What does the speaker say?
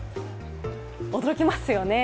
驚きますよね。